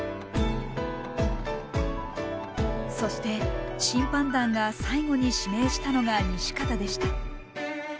そして審判団が最後に指名したのが西方でした。